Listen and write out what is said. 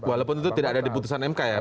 walaupun itu tidak ada di putusan mk ya